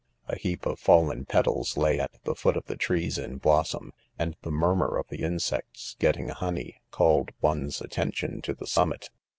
A' heap of fallen petals lay at the foot of the trees in blossom, and the murmur of the Insects getting honey, called one 3 s attention to the sum mit.